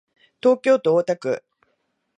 東京都大田区